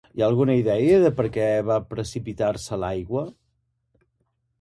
Hi ha alguna idea de per què va precipitar-se a l'aigua?